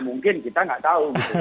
mungkin kita tidak tahu